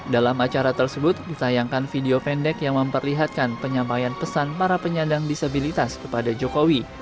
dalam acara tersebut disayangkan video pendek yang memperlihatkan penyampaian pesan para penyandang disabilitas kepada jokowi